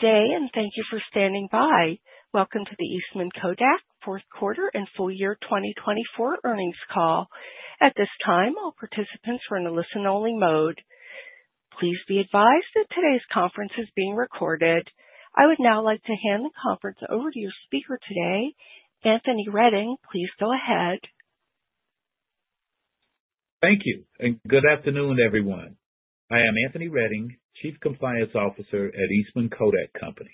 Good day, and thank you for standing by. Welcome to the Eastman Kodak Fourth Quarter and Full Year 2024 Earnings Call. At this time, all participants are in a listen-only mode. Please be advised that today's conference is being recorded. I would now like to hand the conference over to your speaker today, Anthony Redding. Please go ahead. Thank you, and good afternoon, everyone. I am Anthony Redding, Chief Compliance Officer at Eastman Kodak Company.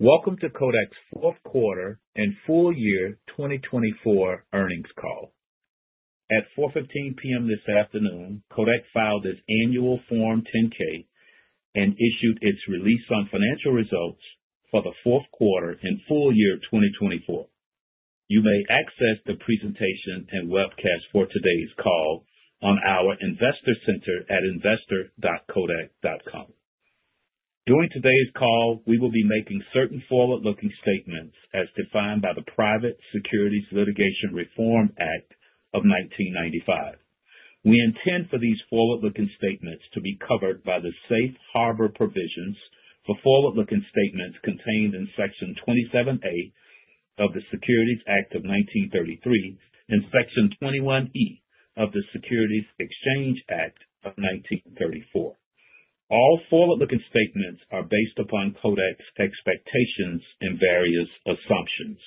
Welcome to Kodak's Fourth Quarter and Full Year 2024 Earnings Call. At 4:15 P.M. this afternoon, Kodak filed its annual Form 10-K and issued its release on financial results for the fourth quarter and full year 2024. You may access the presentation and webcast for today's call on our investor center at investor.kodak.com. During today's call, we will be making certain forward-looking statements as defined by the Private Securities Litigation Reform Act of 1995. We intend for these forward-looking statements to be covered by the safe harbor provisions for forward-looking statements contained in Section 27A of the Securities Act of 1933 and Section 21E of the Securities Exchange Act of 1934. All forward-looking statements are based upon Kodak's expectations and various assumptions.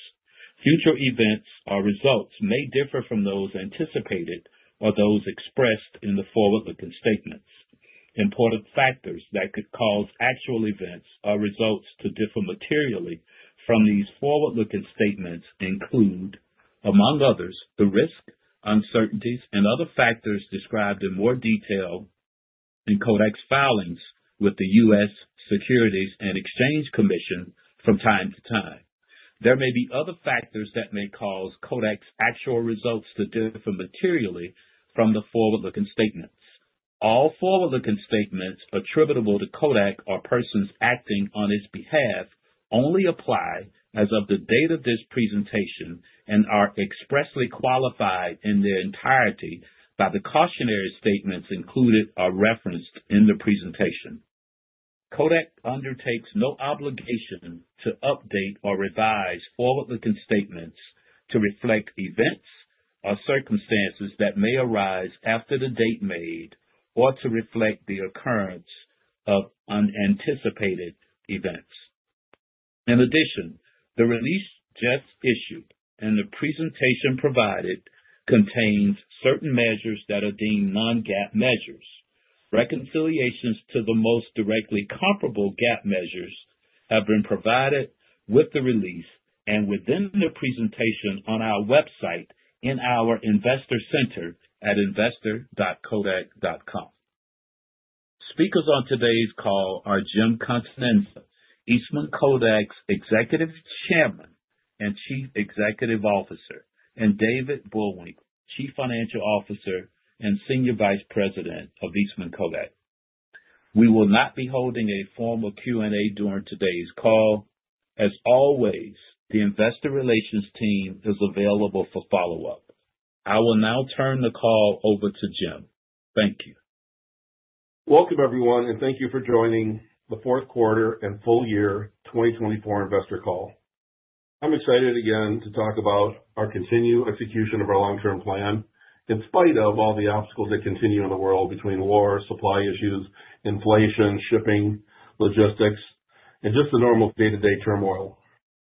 Future events or results may differ from those anticipated or those expressed in the forward-looking statements. Important factors that could cause actual events or results to differ materially from these forward-looking statements include, among others, the risk, uncertainties, and other factors described in more detail in Kodak's filings with the U.S. Securities and Exchange Commission from time to time. There may be other factors that may cause Kodak's actual results to differ materially from the forward-looking statements. All forward-looking statements attributable to Kodak or persons acting on its behalf only apply as of the date of this presentation and are expressly qualified in their entirety by the cautionary statements included or referenced in the presentation. Kodak undertakes no obligation to update or revise forward-looking statements to reflect events or circumstances that may arise after the date made or to reflect the occurrence of unanticipated events. In addition, the release just issued and the presentation provided contains certain measures that are deemed non-GAAP measures. Reconciliations to the most directly comparable GAAP measures have been provided with the release and within the presentation on our website in our investor center at investor.kodak.com. Speakers on today's call are Jim Continenza, Eastman Kodak's Executive Chairman and Chief Executive Officer, and David Bullwinkle, Chief Financial Officer and Senior Vice President of Eastman Kodak. We will not be holding a formal Q&A during today's call. As always, the investor relations team is available for follow-up. I will now turn the call over to Jim. Thank you. Welcome, everyone, and thank you for joining the Fourth Quarter and Full Year 2024 Investor Call. I'm excited again to talk about our continued execution of our long-term plan in spite of all the obstacles that continue in the world between war, supply issues, inflation, shipping, logistics, and just the normal day-to-day turmoil.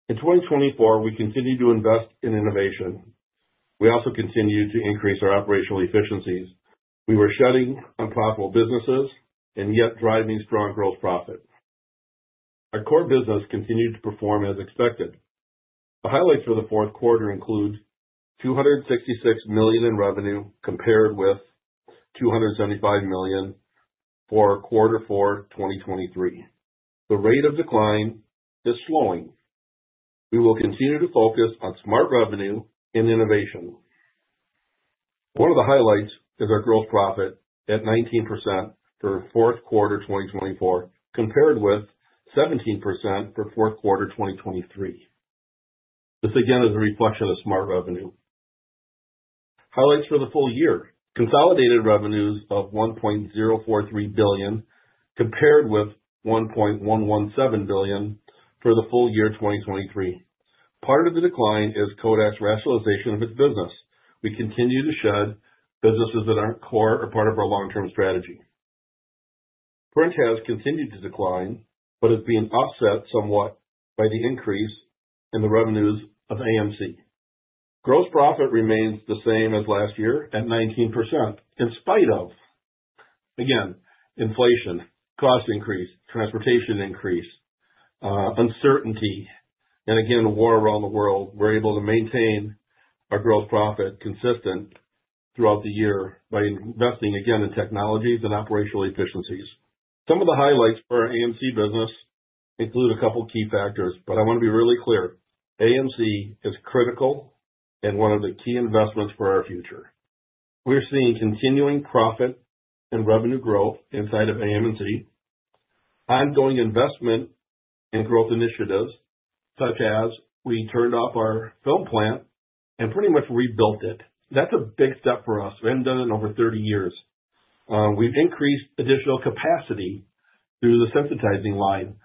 In 2024, we continue to invest in innovation. We also continue to increase our operational efficiencies. We were shutting unprofitable businesses and yet driving strong gross profit. Our core business continued to perform as expected. The highlights for the fourth quarter include $266 million in revenue compared with $275 million for quarter four, 2023. The rate of decline is slowing. We will continue to focus on smart revenue and innovation. One of the highlights is our gross profit at 19% for fourth quarter, 2024, compared with 17% for fourth quarter, 2023. This again is a reflection of smart revenue. Highlights for the full year: consolidated revenues of $1.043 billion compared with $1.117 billion for the full year 2023. Part of the decline is Kodak's rationalization of its business. We continue to shut businesses that aren't core or part of our long-term strategy. Print has continued to decline but is being offset somewhat by the increase in the revenues of AMC. Gross profit remains the same as last year at 19% in spite of, again, inflation, cost increase, transportation increase, uncertainty, and again, war around the world. We're able to maintain our gross profit consistent throughout the year by investing again in technologies and operational efficiencies. Some of the highlights for our AMC business include a couple of key factors, but I want to be really clear. AMC is critical and one of the key investments for our future. We're seeing continuing profit and revenue growth inside of AMC. Ongoing investment and growth initiatives such as we turned off our film plant and pretty much rebuilt it. That's a big step for us. We haven't done it in over 30 years. We've increased additional capacity through the sensitizing line.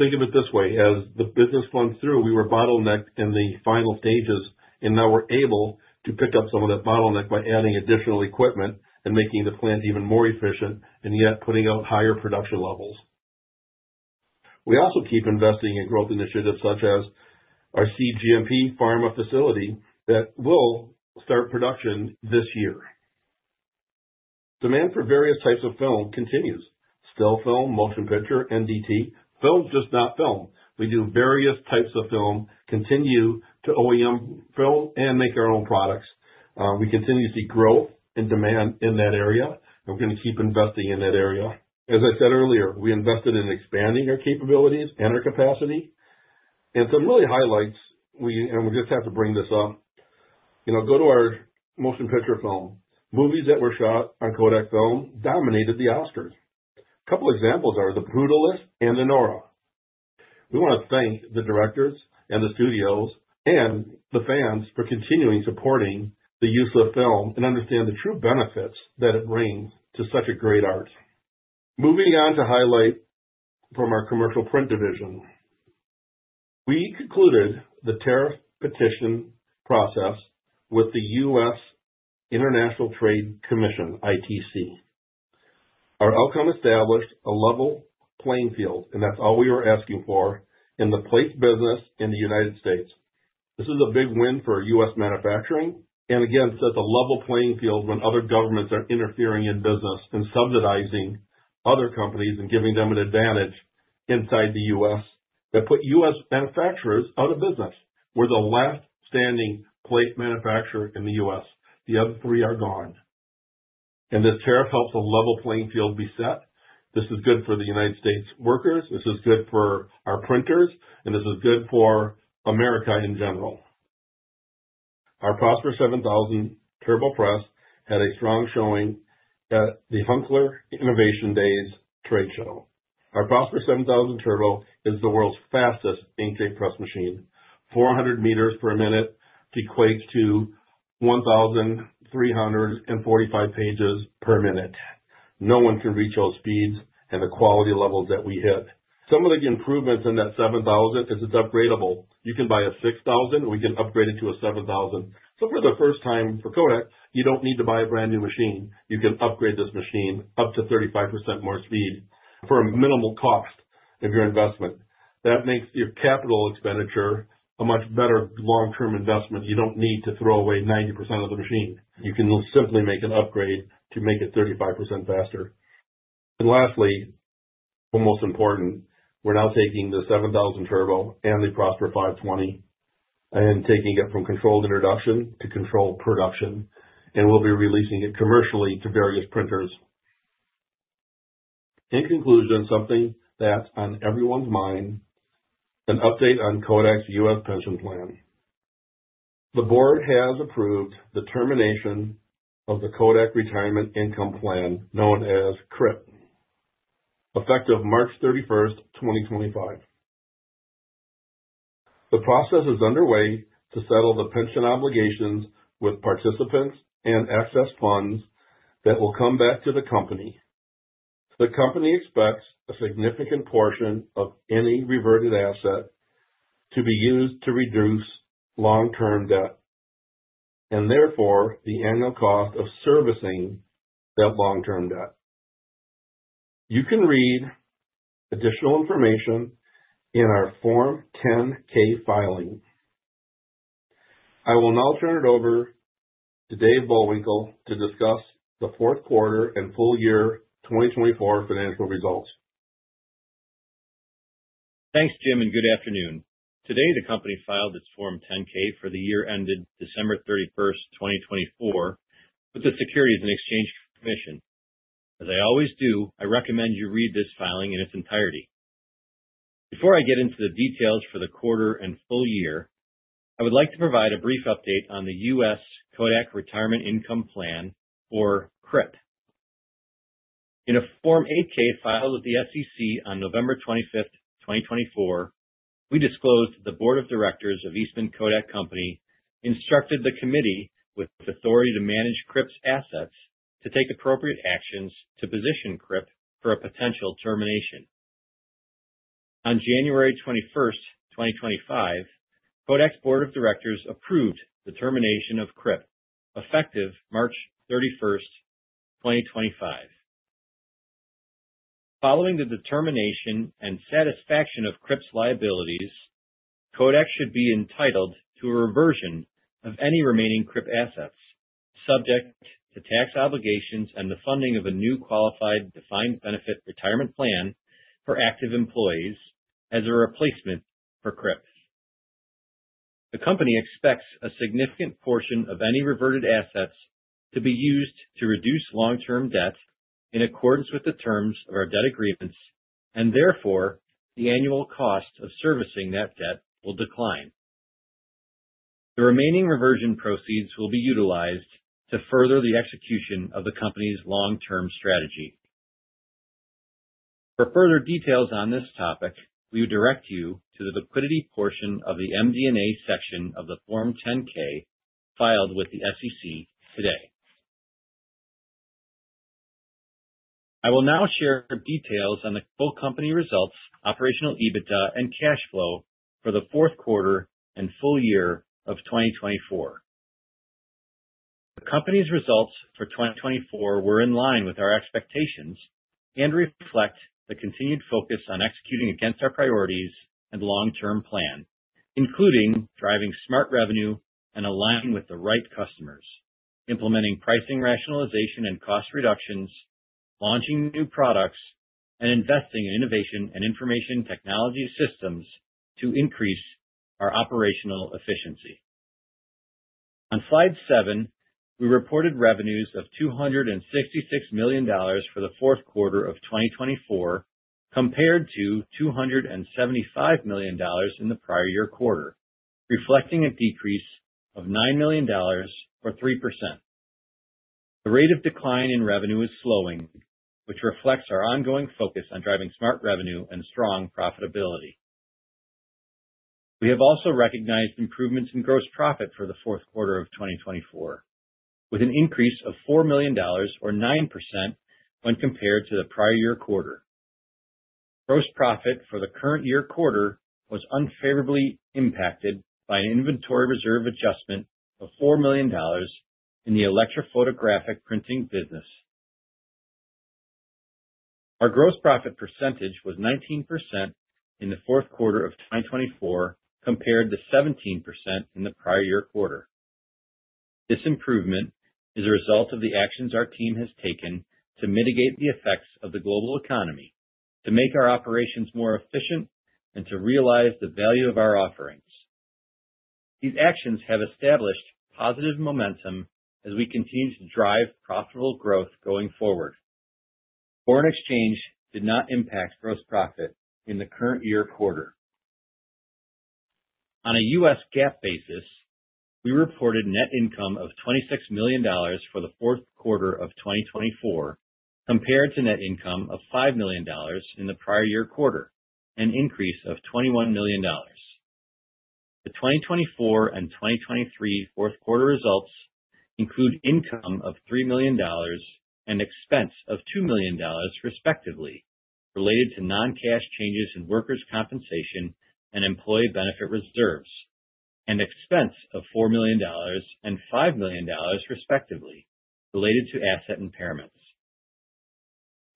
Think of it this way, as the business runs through, we were bottlenecked in the final stages, and now we're able to pick up some of that bottleneck by adding additional equipment and making the plant even more efficient and yet putting out higher production levels. We also keep investing in growth initiatives such as our cGMP pharma facility that will start production this year. Demand for various types of film continues, still film, motion picture, NDT film, just not film. We do various types of film, continue to OEM film, and make our own products. We continue to see growth and demand in that area, and we're going to keep investing in that area. As I said earlier, we invested in expanding our capabilities and our capacity. Some really highlights, and we just have to bring this up, you know, go to our motion picture film. Movies that were shot on Kodak film dominated the Oscars. A couple of examples are The Brutalist and Anora. We want to thank the directors and the studios and the fans for continuing supporting the use of film and understand the true benefits that it brings to such a great art. Moving on to highlight from our commercial print division, we concluded the tariff petition process with the U.S. International Trade Commission, ITC. Our outcome established a level playing field, and that's all we were asking for in the plate business in the United States. This is a big win for U.S. manufacturing and again sets a level playing field when other governments are interfering in business and subsidizing other companies and giving them an advantage inside the U.S. that put U.S. manufacturers out of business. We're the last standing plate manufacturer in the U.S. The other three are gone. This tariff helps a level playing field be set. This is good for the United States workers. This is good for our printers, and this is good for America in general. Our Prosper 7000 Turbo Press had a strong showing at the Hunkeler Innovationdays trade show. Our Prosper 7000 Turbo is the world's fastest inkjet press machine. 400 m per minute equates to 1,345 pages per minute. No one can reach those speeds and the quality levels that we hit. Some of the improvements in that 7000 is it's upgradable. You can buy a 6000, and we can upgrade it to a 7000. For the first time for Kodak, you do not need to buy a brand new machine. You can upgrade this machine up to 35% more speed for a minimal cost of your investment. That makes your capital expenditure a much better long-term investment. You do not need to throw away 90% of the machine. You can simply make an upgrade to make it 35% faster. Lastly, but most important, we are now taking the 7000 Turbo and the Prosper 520 and taking it from controlled production to controlled production, and we will be releasing it commercially to various printers. In conclusion, something that is on everyone's mind, an update on Kodak's U.S. pension plan. The board has approved the termination of the Kodak Retirement Income Plan, known as KRIP, effective March 31, 2025. The process is underway to settle the pension obligations with participants and excess funds that will come back to the company. The company expects a significant portion of any reverted asset to be used to reduce long-term debt and therefore the annual cost of servicing that long-term debt. You can read additional information in our Form 10-K filing. I will now turn it over to David Bullwinkle to discuss the fourth quarter and full year 2024 financial results. Thanks, Jim, and good afternoon. Today, the company filed its Form 10-K for the year ended December 31, 2024, with the U.S. Securities and Exchange Commission. As I always do, I recommend you read this filing in its entirety. Before I get into the details for the quarter and full year, I would like to provide a brief update on the U.S. Kodak Retirement Income Plan, or KRIP. In a Form 8-K filed with the SEC on November 25, 2024, we disclosed the Board of Directors of Eastman Kodak Company instructed the committee with authority to manage KRIP's assets to take appropriate actions to position KRIP for a potential termination. On January 21, 2025, Kodak's Board of Directors approved the termination of KRIP, effective March 31, 2025. Following the determination and satisfaction of KRIP's liabilities, Kodak should be entitled to a reversion of any remaining KRIP assets subject to tax obligations and the funding of a new qualified defined benefit retirement plan for active employees as a replacement for KRIP. The company expects a significant portion of any reverted assets to be used to reduce long-term debt in accordance with the terms of our debt agreements, and therefore the annual cost of servicing that debt will decline. The remaining reversion proceeds will be utilized to further the execution of the company's long-term strategy. For further details on this topic, we direct you to the liquidity portion of the MD&A section of the Form 10-K filed with the SEC today. I will now share details on the full company results, operational EBITDA, and cash flow for the fourth quarter and full year of 2024. The company's results for 2024 were in line with our expectations and reflect the continued focus on executing against our priorities and long-term plan, including driving smart revenue and aligning with the right customers, implementing pricing rationalization and cost reductions, launching new products, and investing in innovation and information technology systems to increase our operational efficiency. On slide seven, we reported revenues of $266 million for the fourth quarter of 2024 compared to $275 million in the prior year quarter, reflecting a decrease of $9 million or 3%. The rate of decline in revenue is slowing, which reflects our ongoing focus on driving smart revenue and strong profitability. We have also recognized improvements in gross profit for the fourth quarter of 2024, with an increase of $4 million or 9% when compared to the prior year quarter. Gross profit for the current year quarter was unfavorably impacted by an inventory reserve adjustment of $4 million in the electrophotographic printing business. Our gross profit percentage was 19% in the fourth quarter of 2024 compared to 17% in the prior year quarter. This improvement is a result of the actions our team has taken to mitigate the effects of the global economy, to make our operations more efficient, and to realize the value of our offerings. These actions have established positive momentum as we continue to drive profitable growth going forward. Foreign exchange did not impact gross profit in the current year quarter. On a U.S. GAAP basis, we reported net income of $26 million for the fourth quarter of 2024 compared to net income of $5 million in the prior year quarter, an increase of $21 million. The 2024 and 2023 fourth quarter results include income of $3 million and expense of $2 million, respectively, related to non-cash changes in workers' compensation and employee benefit reserves, and expense of $4 million and $5 million, respectively, related to asset impairments.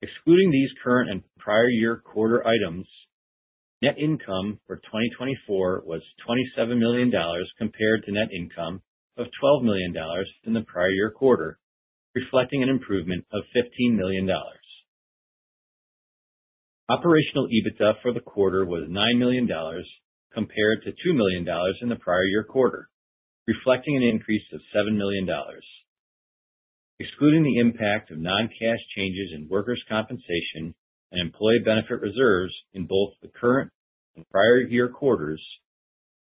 Excluding these current and prior year quarter items, net income for 2024 was $27 million compared to net income of $12 million in the prior year quarter, reflecting an improvement of $15 million. Operational EBITDA for the quarter was $9 million compared to $2 million in the prior year quarter, reflecting an increase of $7 million. Excluding the impact of non-cash changes in workers' compensation and employee benefit reserves in both the current and prior year quarters,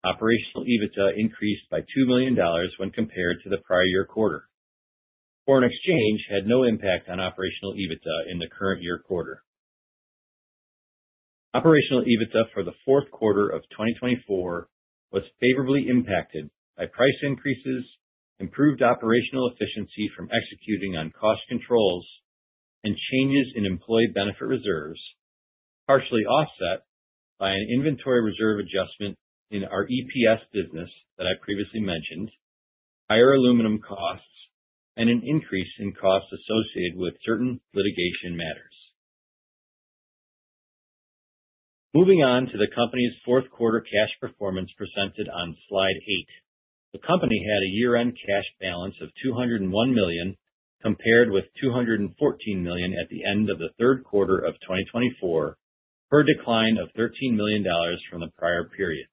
operational EBITDA increased by $2 million when compared to the prior year quarter. Foreign exchange had no impact on operational EBITDA in the current year quarter. Operational EBITDA for the fourth quarter of 2024 was favorably impacted by price increases, improved operational efficiency from executing on cost controls, and changes in employee benefit reserves, partially offset by an inventory reserve adjustment in our EPS business that I previously mentioned, higher aluminum costs, and an increase in costs associated with certain litigation matters. Moving on to the company's fourth quarter cash performance presented on slide eight, the company had a year-end cash balance of $201 million compared with $214 million at the end of the third quarter of 2024, a decline of $13 million from the prior period.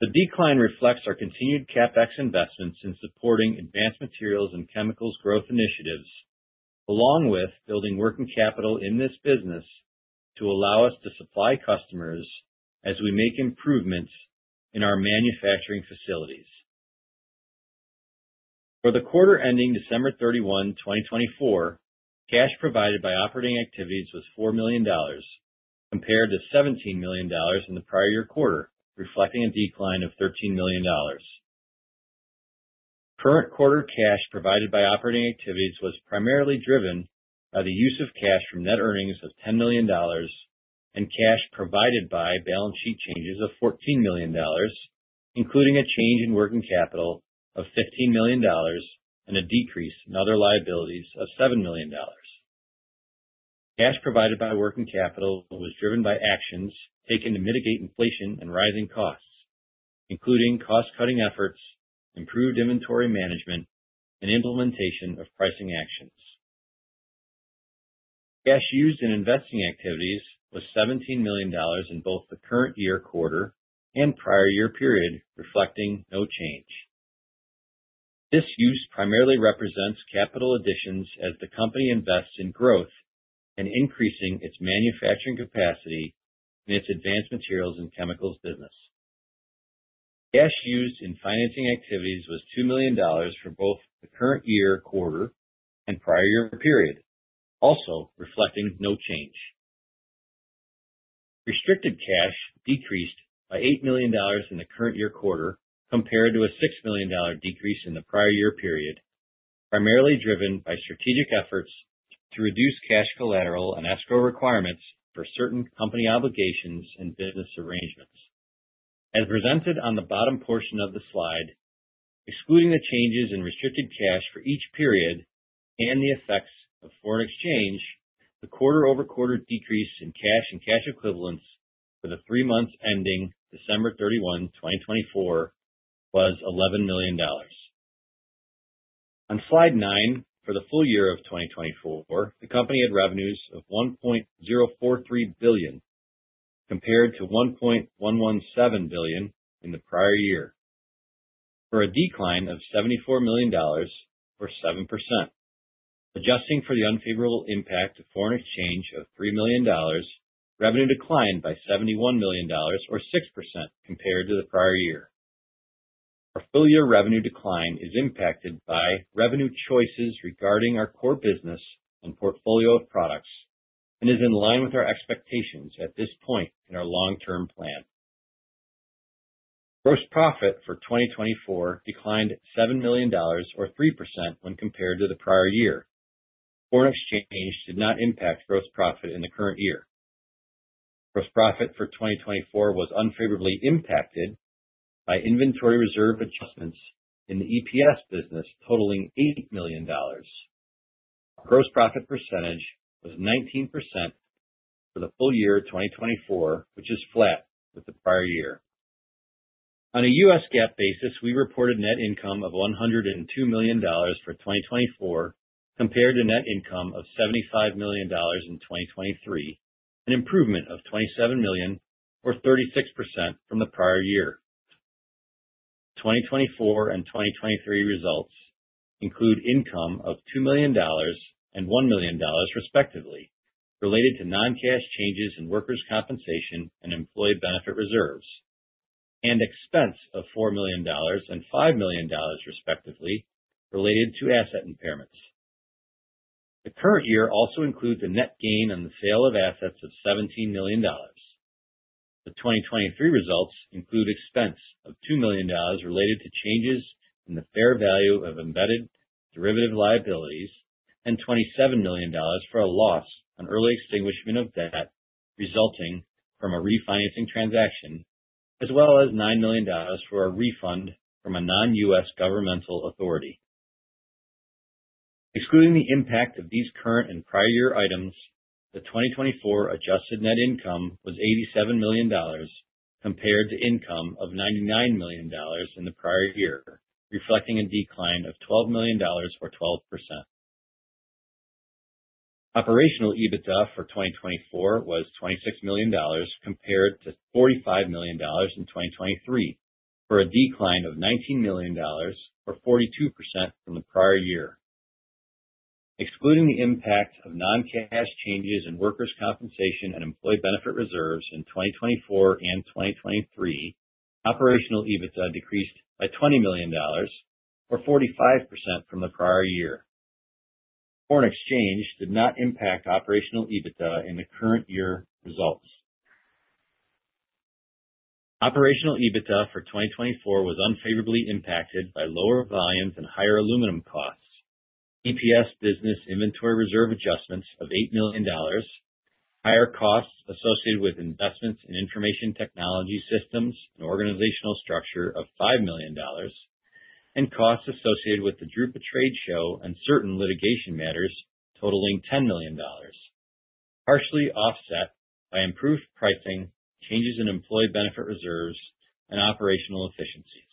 The decline reflects our continued CapEx investments in supporting advanced materials and chemicals growth initiatives, along with building working capital in this business to allow us to supply customers as we make improvements in our manufacturing facilities. For the quarter ending December 31, 2024, cash provided by operating activities was $4 million compared to $17 million in the prior year quarter, reflecting a decline of $13 million. Current quarter cash provided by operating activities was primarily driven by the use of cash from net earnings of $10 million and cash provided by balance sheet changes of $14 million, including a change in working capital of $15 million and a decrease in other liabilities of $7 million. Cash provided by working capital was driven by actions taken to mitigate inflation and rising costs, including cost-cutting efforts, improved inventory management, and implementation of pricing actions. Cash used in investing activities was $17 million in both the current year quarter and prior year period, reflecting no change. This use primarily represents capital additions as the company invests in growth and increasing its manufacturing capacity in its Advanced Materials and Chemicals business. Cash used in financing activities was $2 million for both the current year quarter and prior year period, also reflecting no change. Restricted cash decreased by $8 million in the current year quarter compared to a $6 million decrease in the prior year period, primarily driven by strategic efforts to reduce cash collateral and escrow requirements for certain company obligations and business arrangements. As presented on the bottom portion of the slide, excluding the changes in restricted cash for each period and the effects of foreign exchange, the quarter-over-quarter decrease in cash and cash equivalents for the three months ending December 31, 2024, was $11 million. On slide nine, for the full year of 2024, the company had revenues of $1.043 billion compared to $1.117 billion in the prior year, for a decline of $74 million or 7%. Adjusting for the unfavorable impact of foreign exchange of $3 million, revenue declined by $71 million or 6% compared to the prior year. Our full year revenue decline is impacted by revenue choices regarding our core business and portfolio of products and is in line with our expectations at this point in our long-term plan. Gross profit for 2024 declined $7 million or 3% when compared to the prior year. Foreign exchange did not impact gross profit in the current year. Gross profit for 2024 was unfavorably impacted by inventory reserve adjustments in the EPS business, totaling $8 million. Gross profit percentage was 19% for the full year 2024, which is flat with the prior year. On a U.S. GAAP basis, we reported net income of $102 million for 2024 compared to net income of $75 million in 2023, an improvement of $27 million or 36% from the prior year. 2024 and 2023 results include income of $2 million and $1 million, respectively, related to non-cash changes in workers' compensation and employee benefit reserves, and expense of $4 million and $5 million, respectively, related to asset impairments. The current year also includes a net gain on the sale of assets of $17 million. The 2023 results include expense of $2 million related to changes in the fair value of embedded derivative liabilities and $27 million for a loss on early extinguishment of debt resulting from a refinancing transaction, as well as $9 million for a refund from a non-U.S. governmental authority. Excluding the impact of these current and prior year items, the 2024 adjusted net income was $87 million compared to income of $99 million in the prior year, reflecting a decline of $12 million or 12%. Operational EBITDA for 2024 was $26 million compared to $45 million in 2023, for a decline of $19 million or 42% from the prior year. Excluding the impact of non-cash changes in workers' compensation and employee benefit reserves in 2024 and 2023, operational EBITDA decreased by $20 million or 45% from the prior year. Foreign exchange did not impact operational EBITDA in the current year results. Operational EBITDA for 2024 was unfavorably impacted by lower volumes and higher aluminum costs, EPS business inventory reserve adjustments of $8 million, higher costs associated with investments in information technology systems and organizational structure of $5 million, and costs associated with the Drupa Trade Show and certain litigation matters totaling $10 million, partially offset by improved pricing, changes in employee benefit reserves, and operational efficiencies.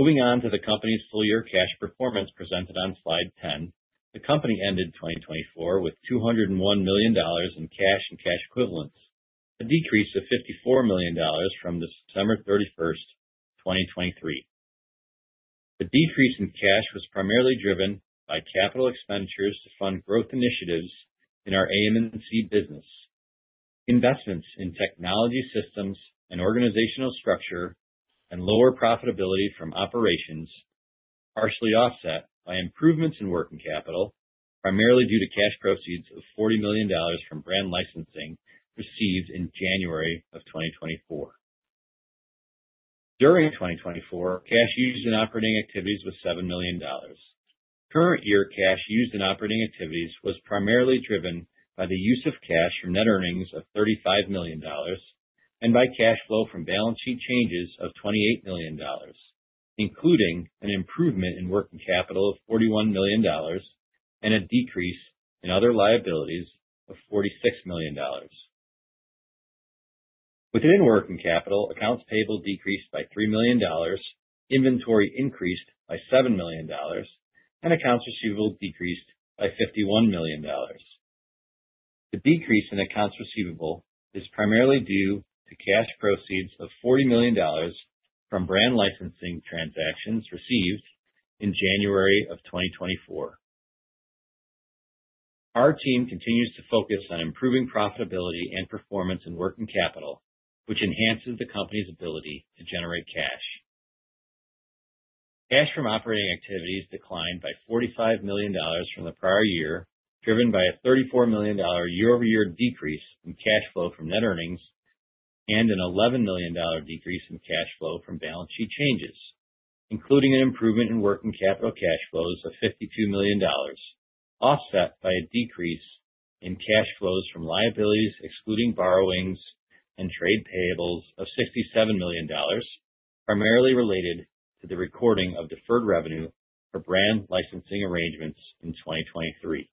Moving on to the company's full year cash performance presented on slide 10, the company ended 2024 with $201 million in cash and cash equivalents, a decrease of $54 million from December 31, 2023. The decrease in cash was primarily driven by capital expenditures to fund growth initiatives in our AMC business, investments in technology systems and organizational structure, and lower profitability from operations, partially offset by improvements in working capital, primarily due to cash proceeds of $40 million from brand licensing received in January of 2024. During 2024, cash used in operating activities was $7 million. Current year cash used in operating activities was primarily driven by the use of cash from net earnings of $35 million and by cash flow from balance sheet changes of $28 million, including an improvement in working capital of $41 million and a decrease in other liabilities of $46 million. Within working capital, accounts payable decreased by $3 million, inventory increased by $7 million, and accounts receivable decreased by $51 million. The decrease in accounts receivable is primarily due to cash proceeds of $40 million from brand licensing transactions received in January of 2024. Our team continues to focus on improving profitability and performance in working capital, which enhances the company's ability to generate cash. Cash from operating activities declined by $45 million from the prior year, driven by a $34 million year-over-year decrease in cash flow from net earnings and an $11 million decrease in cash flow from balance sheet changes, including an improvement in working capital cash flows of $52 million, offset by a decrease in cash flows from liabilities excluding borrowings and trade payables of $67 million, primarily related to the recording of deferred revenue for brand licensing arrangements in 2023.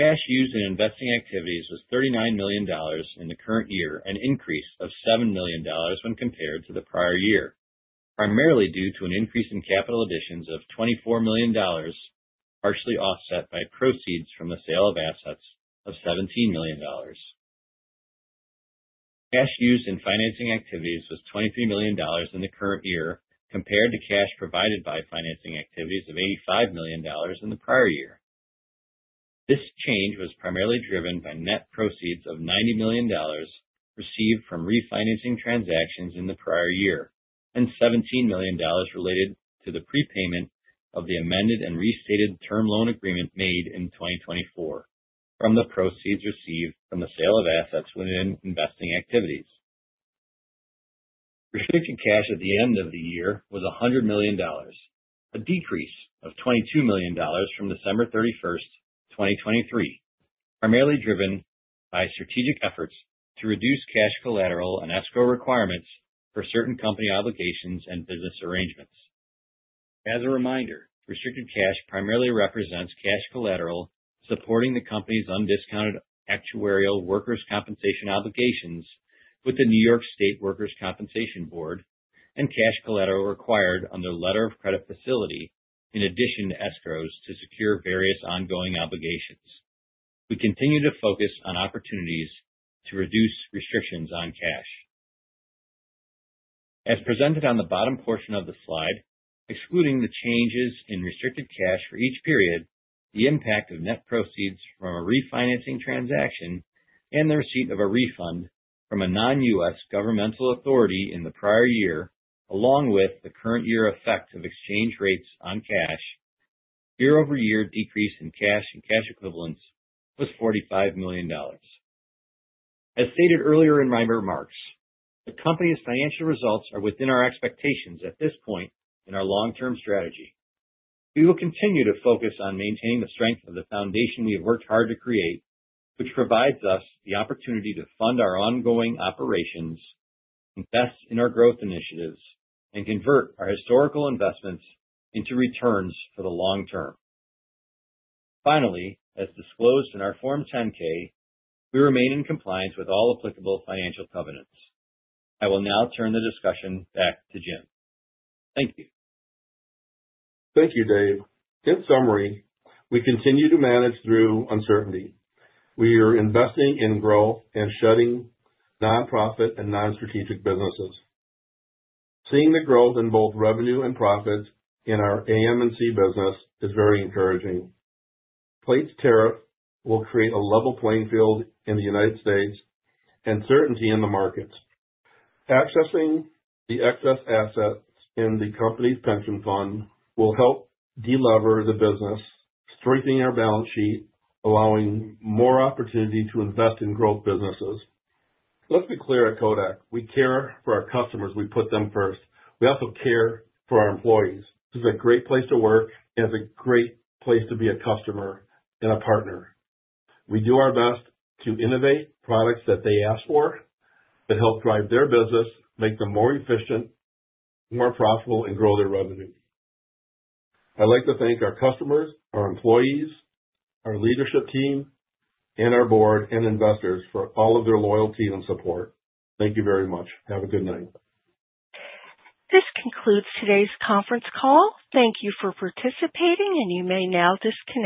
Cash used in investing activities was $39 million in the current year, an increase of $7 million when compared to the prior year, primarily due to an increase in capital additions of $24 million, partially offset by proceeds from the sale of assets of $17 million. Cash used in financing activities was $23 million in the current year, compared to cash provided by financing activities of $85 million in the prior year. This change was primarily driven by net proceeds of $90 million received from refinancing transactions in the prior year and $17 million related to the prepayment of the amended and restated term loan agreement made in 2024 from the proceeds received from the sale of assets within investing activities. Restricted cash at the end of the year was $100 million, a decrease of $22 million from December 31, 2023, primarily driven by strategic efforts to reduce cash collateral and escrow requirements for certain company obligations and business arrangements. As a reminder, restricted cash primarily represents cash collateral supporting the company's undiscounted actuarial workers' compensation obligations with the New York State Workers' Compensation Board and cash collateral required on their letter of credit facility, in addition to escrows to secure various ongoing obligations. We continue to focus on opportunities to reduce restrictions on cash. As presented on the bottom portion of the slide, excluding the changes in restricted cash for each period, the impact of net proceeds from a refinancing transaction and the receipt of a refund from a non-U.S. Governmental authority in the prior year, along with the current year effect of exchange rates on cash, year-over-year decrease in cash and cash equivalents was $45 million. As stated earlier in my remarks, the company's financial results are within our expectations at this point in our long-term strategy. We will continue to focus on maintaining the strength of the foundation we have worked hard to create, which provides us the opportunity to fund our ongoing operations, invest in our growth initiatives, and convert our historical investments into returns for the long term. Finally, as disclosed in our Form 10-K, we remain in compliance with all applicable financial covenants. I will now turn the discussion back to Jim. Thank you. Thank you, Dave. In summary, we continue to manage through uncertainty. We are investing in growth and shedding nonprofit and non-strategic businesses. Seeing the growth in both revenue and profits in our AMC business is very encouraging. Plate tariff will create a level playing field in the United States and certainty in the markets. Accessing the excess assets in the company's pension fund will help delever the business, strengthening our balance sheet, allowing more opportunity to invest in growth businesses. Let's be clear at Kodak. We care for our customers. We put them first. We also care for our employees. This is a great place to work and is a great place to be a customer and a partner. We do our best to innovate products that they ask for that help drive their business, make them more efficient, more profitable, and grow their revenue. I'd like to thank our customers, our employees, our leadership team, and our board and investors for all of their loyalty and support. Thank you very much. Have a good night. This concludes today's conference call. Thank you for participating, and you may now disconnect.